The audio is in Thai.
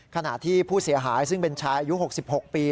ขณะที่ผู้เสียหายซึ่งเป็นชายอายุ๖๖ปี